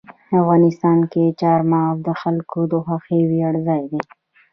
افغانستان کې چار مغز د خلکو د خوښې وړ ځای دی.